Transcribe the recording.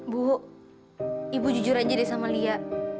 bu ibu jujur aja deh sama lia